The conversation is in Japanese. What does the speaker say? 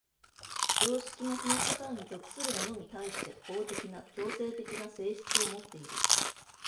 常識もその社会に属する者に対して法的な強制的な性質をもっている。